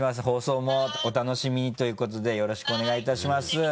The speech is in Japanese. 放送もお楽しみにということでよろしくお願いいたします。